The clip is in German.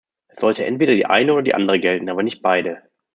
Es sollte entweder die eine oder die andere gelten, aber nicht beide.